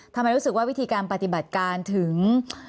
รู้สึกว่าวิธีการปฏิบัติการถึง